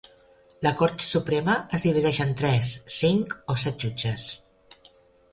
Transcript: La cort suprema es divideix en tres, cinc o set jutges.